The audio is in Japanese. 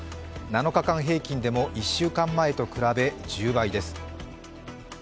７日間平均でも１週間前と比べ１０倍です。